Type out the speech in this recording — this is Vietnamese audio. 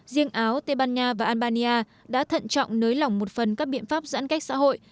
riêng áo tây ban nha và albania đã thận trọng nới lỏng một phần các biện pháp giãn cách xã hội